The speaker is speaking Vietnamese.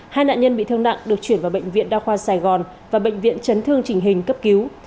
hai nạn nhân bị thương nặng được chuyển vào bệnh viện đa khoa sài gòn và bệnh viện chấn thương trình hình cấp cứu